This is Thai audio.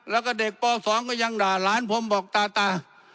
แล้วก็เด็กป๒ก็ยังด่าหลานผมบอกตาตา